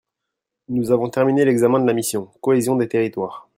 Nous avons terminé l’examen de la mission, Cohésion des territoires.